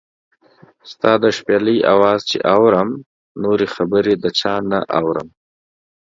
ستا د شپېلۍ اواز چې اورم، نورې خبرې د چا نۀ اورم